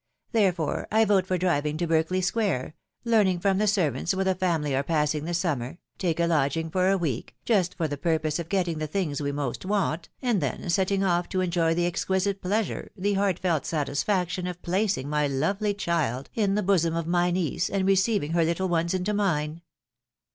Therefore I vote for driving to Berkeley square, learning from the servants where the family are passing the summer, taking a lodging for a week, just for the purpose of getting the things we most want, and then setting off to enjoy the exquisite pleasure, the heartfelt satisfaction of placing my lovely child in the bosom of my niece, and receiving her little ones into mine!